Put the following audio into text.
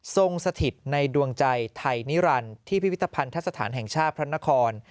สถิตในดวงใจไทยนิรันดิ์ที่พิพิธภัณฑสถานแห่งชาติพระนคร